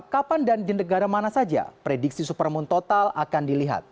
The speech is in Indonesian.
kapan dan di negara mana saja prediksi supermoon total akan dilihat